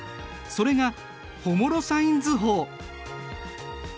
それがホモロサイン図法。